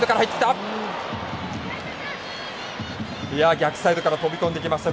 逆サイドから飛び込んできました